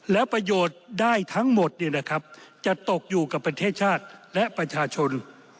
แล้วประโยชน์ได้ทั้งหมดจะตกอยู่กับประเทศชาติและประชาชน